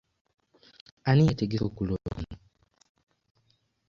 Ani yategese okulonda kuno?